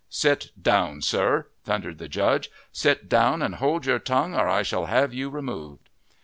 "Sit down, sir," thundered the judge; "sit down and hold your tongue, or I shall have you removed."